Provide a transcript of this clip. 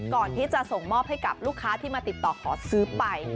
ก่อนที่จะส่งมอบให้กับลูกค้าที่มาติดต่อขอซื้อไป